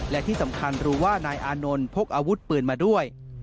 และที่สำคัญรู้ว่านายอานนท์พกอาวุธปืนมาด้วย